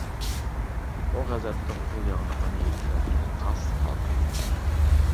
ئۇ غەزەپتىن قول ياغلىقىنى يىرتىۋەتكىلى تاس قالدى.